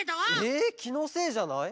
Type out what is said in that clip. えきのせいじゃない？